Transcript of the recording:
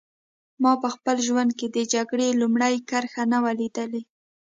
ما په خپل ژوند کې د جګړې لومړۍ کرښه نه وه لیدلې